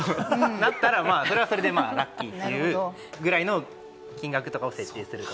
だったらそれはそれでラッキーくらいの金額とかを設定すれば。